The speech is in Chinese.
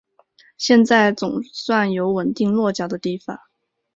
现在总算有稳定落脚的地方